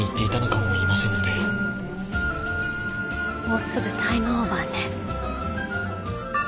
もうすぐタイムオーバーね。